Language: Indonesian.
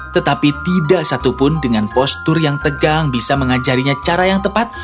tetapi tidak satupun dengan postur yang tegang bisa mengajarinya cara yang tepat